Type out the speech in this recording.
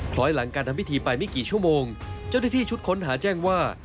ล้อยหลังการทำพิธีไปไม่กี่ชั่วโมงเจ้าหน้าที่ชุดค้นหาแจ้งว่า